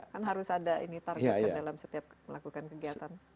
kan harus ada ini targetkan dalam setiap melakukan kegiatan